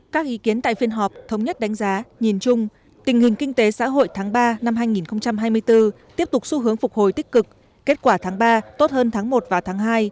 các ý kiến tại phiên họp thống nhất đánh giá nhìn chung tình hình kinh tế xã hội tháng ba năm hai nghìn hai mươi bốn tiếp tục xu hướng phục hồi tích cực kết quả tháng ba tốt hơn tháng một và tháng hai